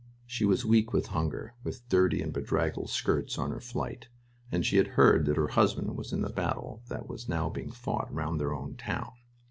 She was weak with hunger, with dirty and bedraggled skirts on her flight, and she had heard that her husband was in the battle that was now being fought round their own town.